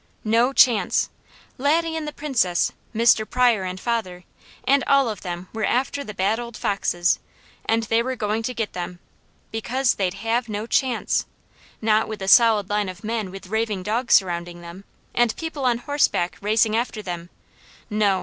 No chance! Laddie and the Princess, Mr. Pryor and father, and all of them were after the bad old foxes; and they were going to get them; because they'd have no chance Not with a solid line of men with raving dogs surrounding them, and people on horseback racing after them, no!